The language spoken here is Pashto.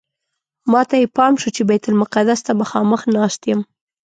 ماته یې پام شو چې بیت المقدس ته مخامخ ناست یم.